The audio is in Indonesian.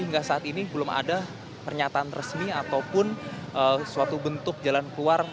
hingga saat ini belum ada pernyataan resmi ataupun suatu bentuk jalan keluar